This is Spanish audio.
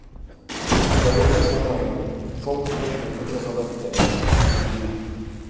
Gabriel García Moreno fue objeto de muchas obras literarias en vida.